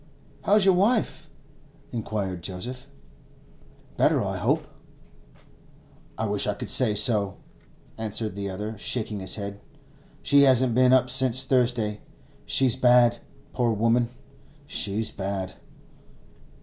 'How's your wife?' inquired Joseph. 'Better, I hope?' 'I wish I could say so,' answered the other, shaking his head. 'She hasn't been up since Thursday. She's bad, poor woman! she's bad.